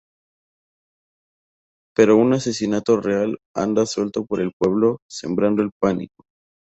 Pero un asesino real, anda suelto por el pueblo sembrando el pánico.